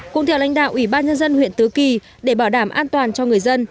cũng theo lãnh đạo ủy ban nhân dân huyện tứ kỳ để bảo đảm an toàn cho người dân